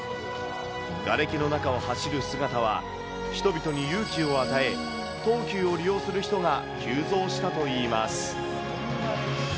がれきの中を走る姿は人々に勇気を与え、東急を利用する人が急増したといいます。